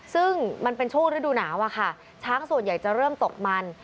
ซึ่งมันเป็นช่วงฤดูหนาวอะค่ะช้างส่วนใหญ่จะเริ่มตกมัน